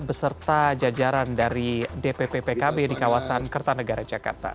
beserta jajaran dari dpp pkb di kawasan kertanegara jakarta